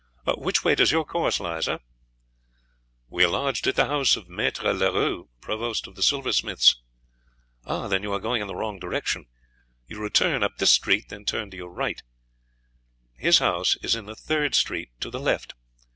Which way does your course lie, sir?" "We are lodged at the house of Maître Leroux, provost of the silversmiths." "Then you are going in the wrong direction. You return up this street, then turn to your right; his house is in the third street to the left.